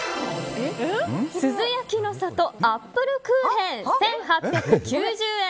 珠洲焼の里アップルクーヘン１８９０円。